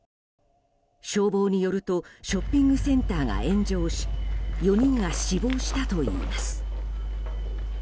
消防によるとショッピングセンターが炎上し４人が死亡したといいます。